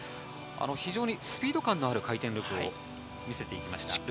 非常にスピード感のある回転を見せていきました。